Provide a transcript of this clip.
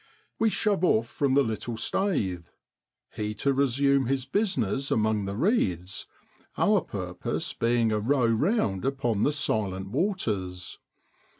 We shove off from the little staith he to resume his business among the reeds, our purpose being a row round upon the silent waters.